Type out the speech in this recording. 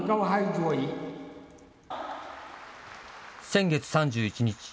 先月３１日。